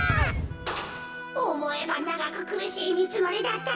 おもえばながくくるしいみちのりだったってか。